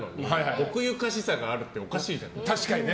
奥ゆかしさがあるっておかしいじゃん。